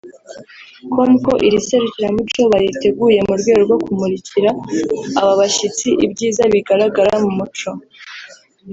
com ko iri serukiramuco bariteguye mu rwego rwo kumurikira aba bashyitsi ibyiza bigaragara mu muco